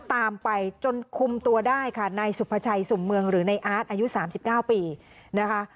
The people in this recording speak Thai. ตามไปจนคุมตัวได้ค่ะในสุพชัยสุ่มเมืองหรือในอาจอายุสามสิบเก้าปีนะคะ